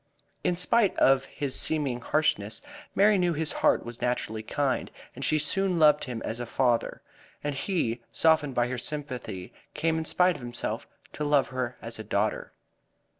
In spite of his seeming harshness, Mary knew his heart was naturally kind, and she soon loved him as a father. And he, softened by her sympathy, came in spite of himself to love her as a daughter.